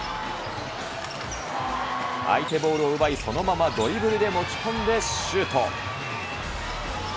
相手ボールを奪い、そのままドリブルで持ち込んでシュート。